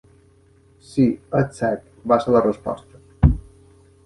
"Sí, és cert", va ser la resposta.